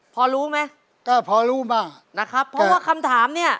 พอรู้ไหมก็พอรู้บ้างนะครับเพราะว่าคำถามเนี่ย